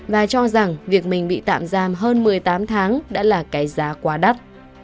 và cho rằng việc mình bị tạm giam hơn một mươi tám tháng đã là cái giá quá đắt